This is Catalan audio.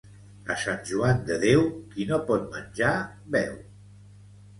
A Sant Joan de Déu, qui no pot menjar, beu.